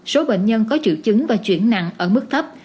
số bệnh nhân có triệu chứng và chuyển nặng ở mức thấp